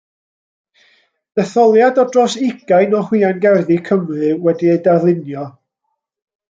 Detholiad o dros ugain o hwiangerddi Cymru, wedi eu darlunio.